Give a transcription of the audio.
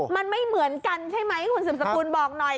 มันไม่เหมือนกันใช่ไหมคุณสืบสกุลบอกหน่อย